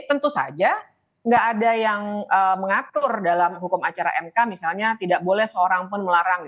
tentu saja nggak ada yang mengatur dalam hukum acara mk misalnya tidak boleh seorang pun melarang